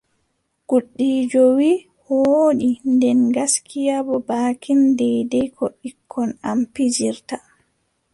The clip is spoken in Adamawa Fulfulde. Gudiijo wii : woodi, nden gaskiya boo baakin deydey ko ɓikkon am pijiirta.